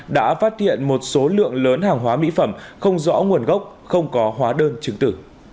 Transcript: đã phát hiện một số lượng lớn hàng hóa mỹ phẩm không rõ nguồn gốc không có hóa đơn chứng tử